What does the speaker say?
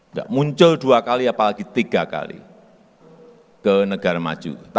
nggak muncul dua kali apalagi tiga kali ke negara maju